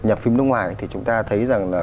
nhập phim nước ngoài thì chúng ta thấy rằng